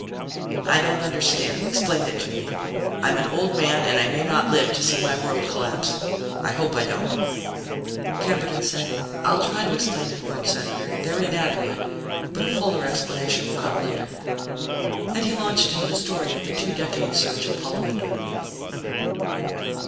"I don't understand; explain it to me. I'm an old man, and I may not live to see my world collapse. I hope I don't." Camberton said: "I'll try to explain in words, Senator. They're inadequate, but a fuller explanation will come later." And he launched into the story of the two decade search of Paul Wendell.